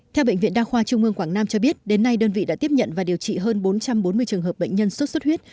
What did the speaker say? theo bệnh viện đa khoa trung ương quảng nam cho biết đến nay đơn vị đã tiếp nhận và điều trị hơn bốn trăm bốn mươi trường hợp bệnh nhân sốt xuất huyết